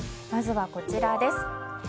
まずはこちらです。